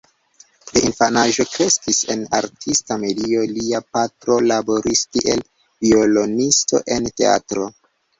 De infanaĝo kreskis en artista medio: lia patro laboris kiel violonisto en teatro.